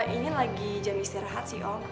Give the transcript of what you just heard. ini lagi jam istirahat sih om